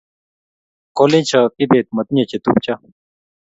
kolecho kibet matinye che tupcho